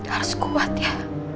harus kuat ya